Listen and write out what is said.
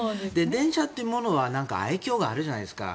電車というものはなんか愛嬌があるじゃないですか。